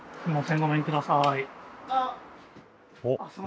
ごめんください。